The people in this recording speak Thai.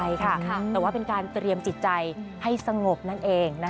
ใช่ค่ะแต่ว่าเป็นการเตรียมจิตใจให้สงบนั่นเอง